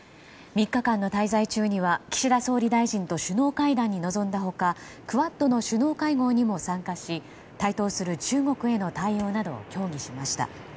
３日間の滞在中には岸田総理大臣と首脳会談に臨んだ他クアッドの首脳会合にも参加し台頭する中国への対応など協議しました。